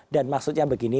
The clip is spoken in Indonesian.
dan maksudnya begini